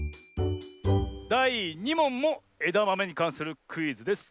だい２もんもえだまめにかんするクイズです。